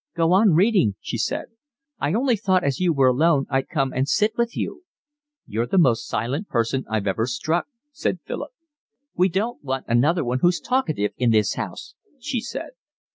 "Go on reading," she said. "I only thought as you were alone I'd come and sit with you." "You're the most silent person I've ever struck," said Philip. "We don't want another one who's talkative in this house," she said.